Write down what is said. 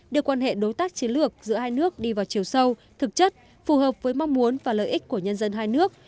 đưa quan hệ đối tác chiến lược giữa hai nước đi vào chiều sâu thực chất phù hợp với mong muốn và lợi ích của nhân dân hai nước